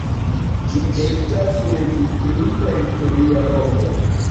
Ĝi estas registrita historia loko.